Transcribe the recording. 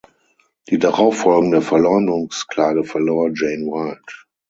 Die darauffolgende Verleumdungsklage verlor Jane Wilde.